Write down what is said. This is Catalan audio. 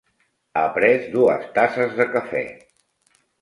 Ha pres dues tasses de cafè.